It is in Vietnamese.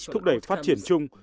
thúc đẩy phát triển chung